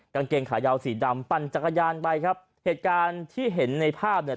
กางเกงขายาวสีดำปั่นจักรยานไปครับเหตุการณ์ที่เห็นในภาพเนี่ย